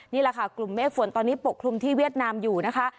นี่แหละค่ะกลุ่มเมฆฝนตอนนี้ปกคลุมที่เวียดนามอยู่นะคะ